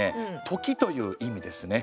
「とき」という意味ですね。